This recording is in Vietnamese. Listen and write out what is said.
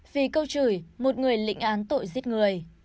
vì câu chửi một người lịnh án tội giết người